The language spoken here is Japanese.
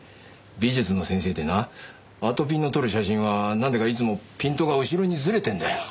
美術の先生でなあとぴんの撮る写真はなんだかいつもピントが後ろにずれてるんだよ。